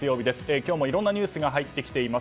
今日もいろんなニュースが入ってきています。